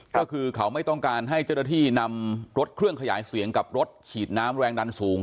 ก็คือเขาไม่ต้องการให้เจ้าหน้าที่นำรถเครื่องขยายเสียงกับรถฉีดน้ำแรงดันสูง